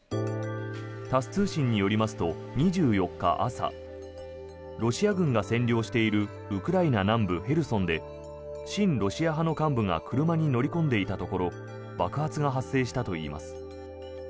タス通信によりますと２４日朝ロシア軍が占領しているウクライナ南部ヘルソンで親ロシア派の幹部が車に乗り込んでいたところ爆発が発生したといいます。